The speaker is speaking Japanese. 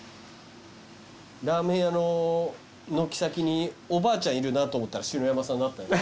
ラーメン屋の軒先におばあちゃんいるなと思ったら篠山さんだった。